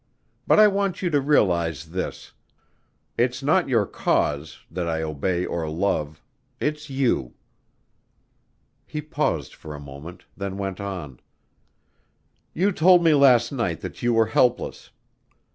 But I want you to realize this: it's not your cause that I obey or love it's you." He paused for a moment, then went on: "You told me last night that you were helpless.